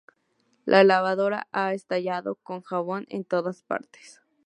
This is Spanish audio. La lavadora ha estallado, con jabón en todas partes.